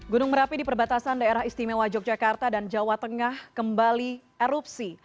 gunung merapi di perbatasan daerah istimewa yogyakarta dan jawa tengah kembali erupsi